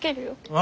あ！